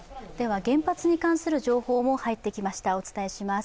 原発に関する情報も入ってきました、お伝えします。